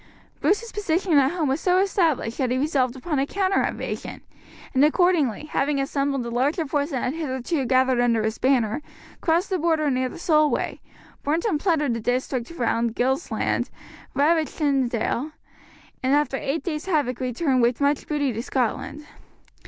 Bruce's position at home was so established that he resolved upon a counter invasion, and accordingly, having assembled a larger force than had hitherto gathered under his banner, crossed the Border near the Solway, burnt and plundered the district round Gilsland, ravaged Tynedale, and after eight days' havock returned with much booty to Scotland.